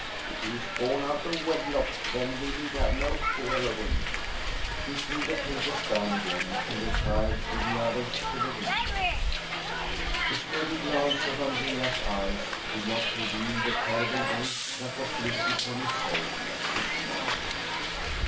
If he is born out of wedKyk then we need have no fear of him!" He threw thfyiapers down again and retired with the others to the w,f trpw. The steady glance of Andrea's eyes did ' not reveal Lie terrible weight that was lifted from his soul at this moment.